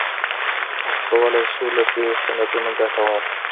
موږ کولای سو له دې سندونو ګټه واخلو.